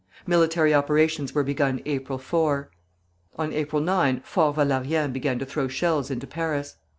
Military operations were begun April 4. On April 9 Fort Valérien began to throw shells into Paris.